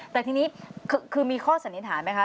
แต่ทีนี้คือมีข้อสันนิษฐานไหมคะ